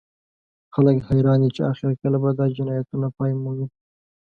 خلک حیران دي چې اخر کله به دا جنایتونه پای مومي